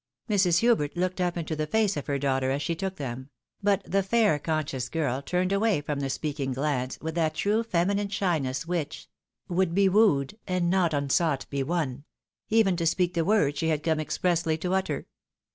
Mrs. Hubert looked up into the face of her daughter as she took them ; but the fair conscious girl turned away from the speaking glance, with that true femiuine shyness which Would be wooed, and not unaought be won, even to speak the words she had come expressly to utter.